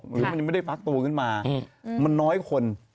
หรือมันยังไม่ได้ฟักตัวขึ้นมามันน้อยคน